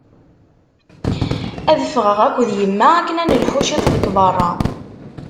Ad ffɣeɣ akked yemma akken ad nelḥu ciṭ deg berra.